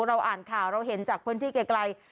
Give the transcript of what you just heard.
เราอ่านข่าวเราเห็นจากพื้นที่ไกล